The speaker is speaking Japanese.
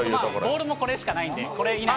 ボールもこれしかないので、これ以内に。